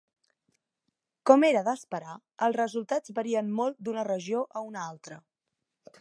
Com era d'esperar, els resultats varien molt d'una regió a una altra.